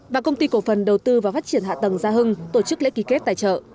và công ty cổ phần đầu tư và phát triển hạ tầng gia hưng tổ chức lễ ký kết tài trợ